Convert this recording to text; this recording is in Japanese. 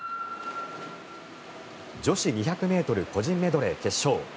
女子２００ｍ個人メドレー決勝。